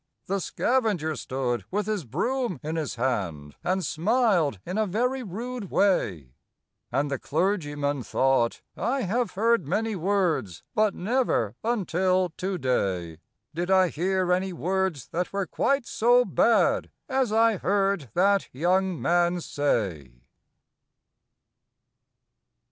The scavenger stood with his broom in his hand, And smiled in a very rude way; And the clergyman thought, 'I have heard many words, But never, until to day, Did I hear any words that were quite so bad As I heard that young man say.'